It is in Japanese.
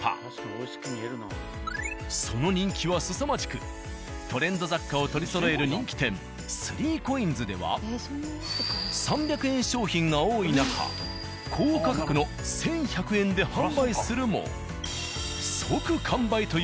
その人気はすさまじくトレンド雑貨を取りそろえる人気店「３ＣＯＩＮＳ」では３００円商品が多い中高価格の１、１００円で販売するも。